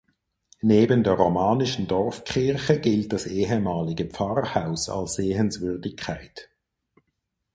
Neben der romanischen Dorfkirche gilt das ehemalige Pfarrhaus als Sehenswürdigkeit.